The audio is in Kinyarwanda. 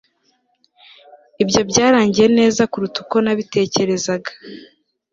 Ibyo byarangiye neza kuruta uko nabitekerezaga